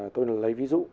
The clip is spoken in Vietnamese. tôi lấy ví dụ